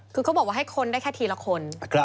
คือเขาบอกว่าให้ค้นได้แค่ทีละคน